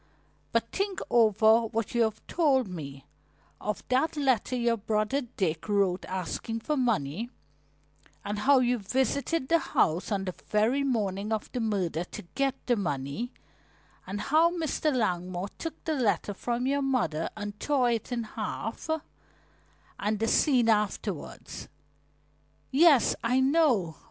But think over what you have told me of that letter your brother Dick wrote asking for money, and how you visited the house on the very morning of the murder to get the money, and how Mr. Langmore took the letter from your mother and tore it in half, and the scene afterwards." "Yes, I know.